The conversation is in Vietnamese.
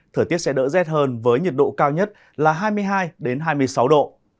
thời tiết sẽ đỡ rét hơn với nhiệt độ cao nhất là hai mươi hai hai mươi sáu độ